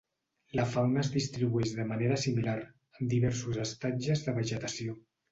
La fauna es distribueix de manera similar, amb diversos estatges de vegetació.